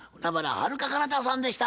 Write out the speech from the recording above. はるか・かなたさんでした。